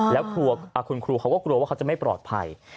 แล้วคุณครูเขาก็กลัวว่าเขาจะไม่ปลอดภัย